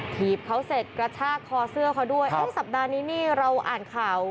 ถีบเขาเสร็จกระชากคอเสื้อเขาด้วยเอ๊ะสัปดาห์นี้นี่เราอ่านข่าว